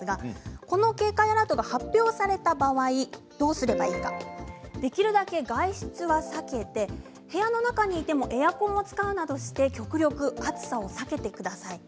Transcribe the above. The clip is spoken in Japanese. この警戒アラートが発表された場合どうすればいいのかできるだけ外出は避けて部屋の中でもエアコンを使うなどして極力暑さを避けてください。